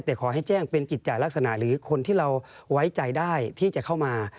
แต่ขอให้แจ้งเป็นกิจจารักษณะหรือคนที่เราไว้ใจได้ที่จะเข้ามา